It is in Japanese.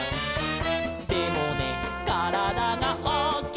「でもねからだがおおきいので」